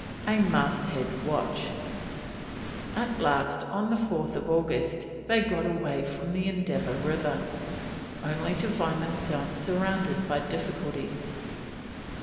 A MASTHEAD WATCH. At last, on 4th August, they got away from the Endeavour River, only to find themselves surrounded by difficulties.